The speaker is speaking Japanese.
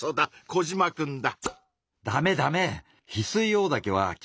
コジマくんだ。